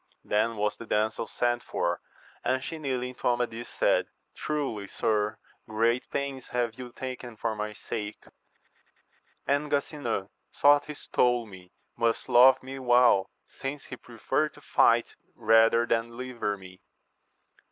Then was the damsel sent for, and she kneeling to Amadis, said, Truly, sir, great pains have you taken for my sake ; and Gasinan, though he stole me, must love me well, since he preferred to fight rather than deliver me.